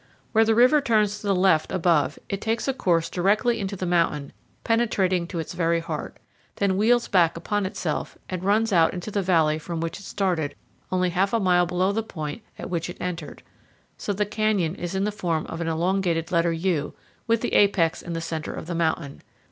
Where the river turns to the left above, it takes a course directly into the mountain, penetrating to its very heart, then wheels back upon itself, and runs out into the valley from which it started only half a mile below the point at which it entered; so the canyon is in the form of an elongated letter U, with the apex in the center of the mountain.